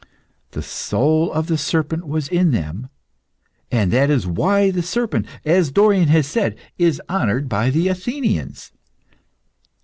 The soul of the serpent was in them; and that is why the serpent, as Dorion has said, is honoured by the Athenians.